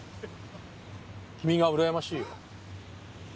君がうらやましいよ。